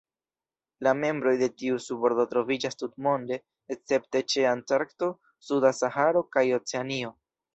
La membroj de tiu subordo troviĝas tutmonde escepte ĉe Antarkto, suda Saharo, kaj Oceanio.